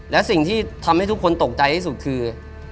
และสิ่งที่ทำให้ทุกคนตกใจที่สุดคือ